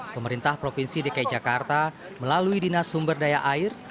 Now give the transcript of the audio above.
pemerintah provinsi dki jakarta melalui dinas sumber daya air